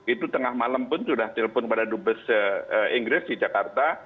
itu tengah malam pun sudah telpon kepada dut besar inggris di jakarta